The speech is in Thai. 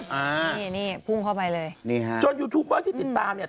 นี่นี่พุ่งเข้าไปเลยนี่ฮะจนยูทูปเบอร์ที่ติดตามเนี่ย